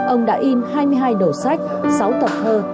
ông đã in hai mươi hai đầu sách sáu tập thơ